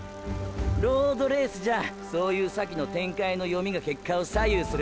ロードレースじゃそういう先の展開の読みが結果を左右する！！